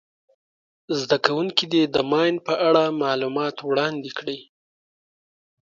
زده کوونکي دې د ماین په اړه معلومات وړاندي کړي.